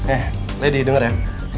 eh lady denger ya